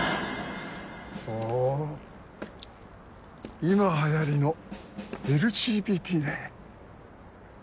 ほお今はやりのＬＧＢＴね。